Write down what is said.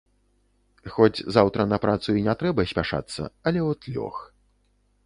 Хоць заўтра на працу і не трэба спяшацца, але от лёг.